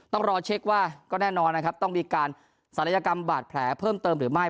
ต้องรอเช็คว่าก็แน่นอนนะครับต้องมีการศัลยกรรมบาดแผลเพิ่มเติมหรือไม่